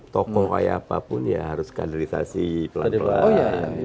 tokoh kayak apapun ya harus kaderisasi pelan pelan